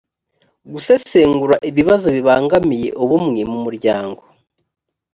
gusesengura ibibazo bibangamiye ubumwe mu muryango